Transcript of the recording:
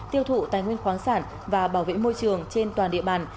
tiêu thụ tài nguyên khoáng sản và bảo vệ môi trường trên toàn địa bàn